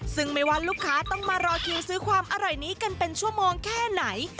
ซึ่งไม่ว่าลูกค้าต้องมารอคิวซื้อความอร่อยนี้กันเป็นชั่วโมงแค่ไหน